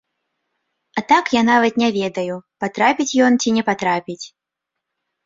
А так я нават не ведаю, патрапіць ён ці не патрапіць.